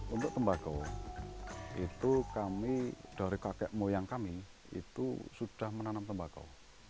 untuk tembakau itu kami dari kakek moyang kami itu sudah menanam tembakau